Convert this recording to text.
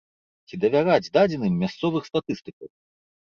Ці давяраць дадзеным мясцовых статыстыкаў?